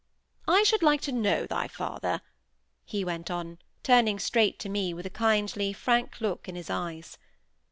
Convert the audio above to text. I should like to know thy father," he went on, turning straight to me, with a kindly, frank look in his eyes.